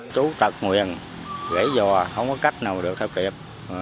chú tật nguyền gãy dò không có cách nào được theo tiệp